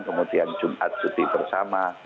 kemudian jumat juti bersama